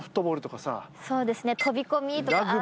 そうですね。